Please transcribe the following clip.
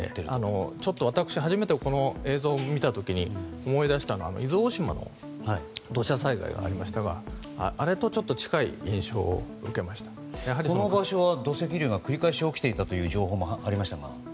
私、初めて映像を見た時に思い出したのは伊豆大島の土砂災害がありましたがこの場所は土石流が繰り返し起きていたという情報もありましたが。